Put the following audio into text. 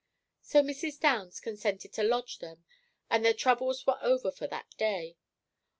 So Mrs. Downs consented to lodge them; and their troubles were over for that day.